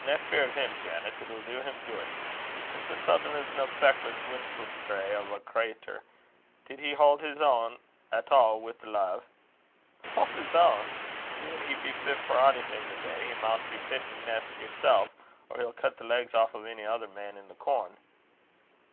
"Nae fear o' him, Janet; it'll do him guid. Mr. Sutherland's no feckless winlestrae o' a creater. Did he haud his ain at a' wi' the lave?" "Haud his ain! Gin he be fit for onything the day, he maun be pitten neist yersel', or he'll cut the legs aff o' ony ither man i' the corn."